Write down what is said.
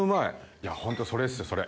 いやホントそれっすよそれ。